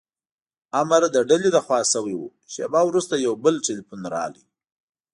امر د ډلې له خوا شوی و، شېبه وروسته یو بل ټیلیفون راغلی.